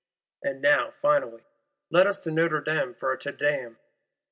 —And now, finally, let us to Notre Dame for a _Te Deum.